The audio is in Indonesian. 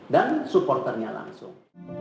dan supporternya langsung